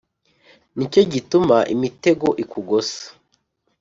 ni cyo gituma imitego ikugose,